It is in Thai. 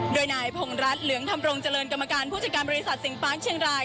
โดยนายพงรัฐเหลืองธรรมรงเจริญกรรมการผู้จัดการบริษัทสิงฟ้างเชียงราย